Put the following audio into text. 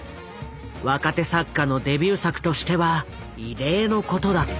若手作家のデビュー作としては異例のことだった。